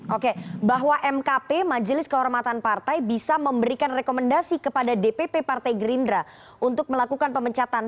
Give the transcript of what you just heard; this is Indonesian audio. oke bahwa mkp majelis kehormatan partai bisa memberikan rekomendasi kepada dpp partai gerindra untuk melakukan pemecatan